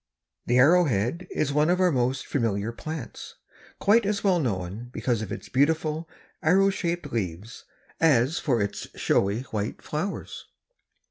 The Arrow Head is one of our most familiar plants, quite as well known because of its beautiful arrow shaped leaves as for its showy white flowers.